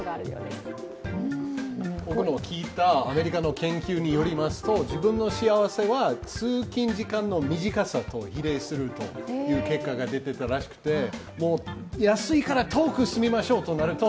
僕の聞いたアメリカの研究によりますと自分の幸せは通勤時間の短さと比例するという結果が出てたらしくて安いから遠く住みましょうとなると